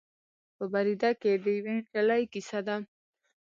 په بریده کې د یوې نجلۍ کیسه ده.